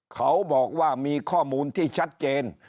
เขาบอกว่ามีข้อมูลที่ชัดเจน